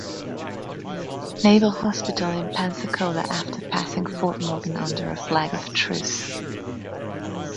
Naval Hospital in Pensacola after passing Fort Morgan under a flag of truce.